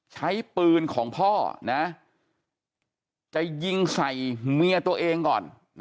ใช้ปืนของพ่อนะจะยิงใส่เมียตัวเองก่อน